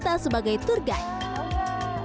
dia bisa sebagai tour guide